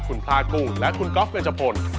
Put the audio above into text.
ขุนพรากุ้งและขุนก๊อฟเงินเจ้าผล